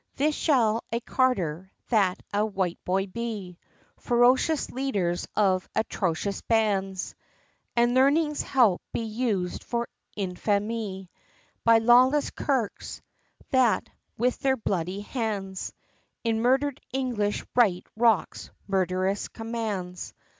This shall a Carder, that a Whiteboy be, Ferocious leaders of atrocious bands, And Learning's help be used for infamie, By lawless clerks, that, with their bloody hands, In murder'd English write Rock's murderous commands.